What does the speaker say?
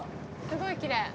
すごいきれい。